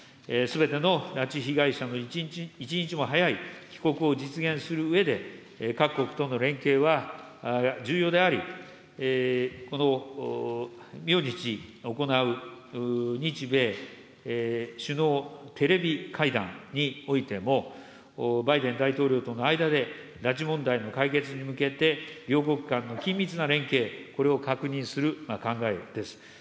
すべての拉致被害者の一日も早い帰国を実現するうえで、各国との連携は重要であり、この明日行う日米首脳テレビ会談においても、バイデン大統領との間で、拉致問題の解決に向けて、両国間の緊密な連携、これを確認する考えです。